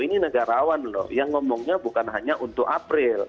ini negarawan loh yang ngomongnya bukan hanya untuk april